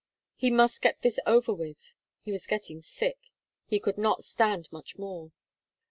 He must get this over with! He was getting sick. He could not stand much more.